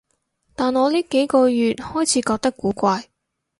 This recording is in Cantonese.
但我呢幾個月開始覺得古怪